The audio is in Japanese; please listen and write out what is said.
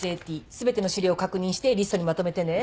全ての資料を確認してリストにまとめてね。